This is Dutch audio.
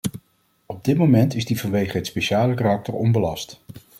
Op dit moment is die vanwege het speciale karakter onbelast.